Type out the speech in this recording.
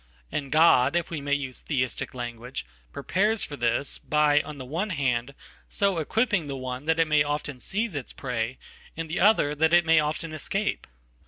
And God, if we may use Theisticlanguage, prepares for this, by, on the one hand, so equipping theone that it may often seize its prey, and the other, that it mayoften escape.